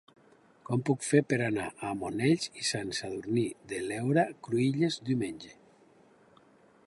Com ho puc fer per anar a Monells i Sant Sadurní de l'Heura Cruïlles diumenge?